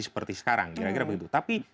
seperti sekarang kira kira begitu tapi